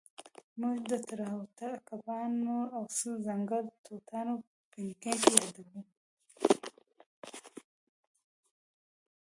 موږ د ټراوټ کبانو او ځنګلي توتانو پینکیک یادوو